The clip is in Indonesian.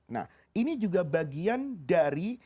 nah ini juga bagian dari